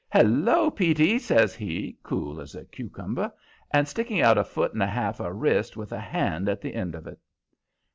"Hello, Petey!" says he, cool as a cucumber, and sticking out a foot and a half of wrist with a hand at the end of it.